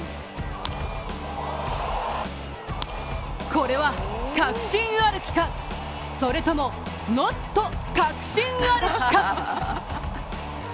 これは確信歩きか、それともノット確信歩きか。